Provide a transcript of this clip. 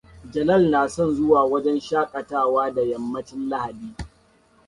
Jalal na son zuwa wajen shaƙatawa da yammacin Lahadi.